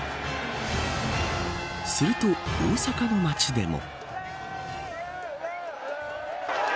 すると、大阪の街でも。